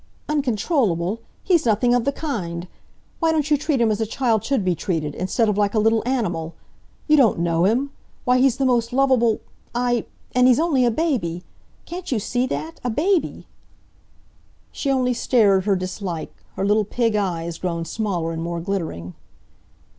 "Uncontrollable! He's nothing of the kind! Why don't you treat him as a child should be treated, instead of like a little animal? You don't know him! Why, he's the most lovable ! And he's only a baby! Can't you see that? A baby!" She only stared her dislike, her little pig eyes grown smaller and more glittering.